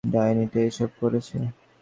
ডাইনি টা এসব করেছে!